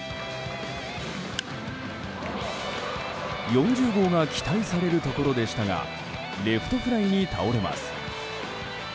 ４０号が期待されるところでしたがレフトフライに倒れます。